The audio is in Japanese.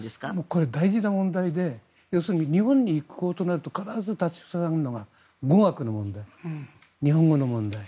これは大事な問題で要するに日本に行くとなると必ず立ち塞がるのが語学の問題日本語の問題。